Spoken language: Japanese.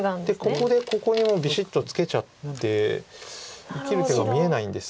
ここでここにもうビシッとツケちゃって生きる手が見えないんですが。